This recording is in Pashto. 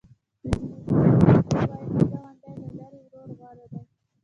د جنوبي کوریا متل وایي ښه ګاونډی له لرې ورور غوره دی.